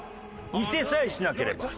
見せさえしなければ。